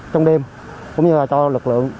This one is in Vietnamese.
trong đêm cũng như là cho lực lượng